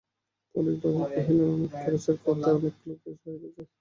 পরেশবাবু কহিলেন, অনেক খরচের কথা এবং অনেক লোকের সহায়তা চাই।